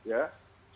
dari yang kami lakukan